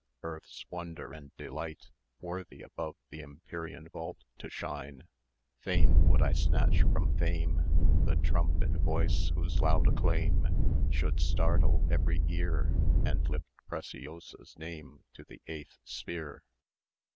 Earth's wonder and delight, Worthy above the empyrean vault to shine; Fain would I snatch from Fame The trump and voice, whose loud acclaim Should startle every ear, And lift Preciosa's name to the eighth sphere.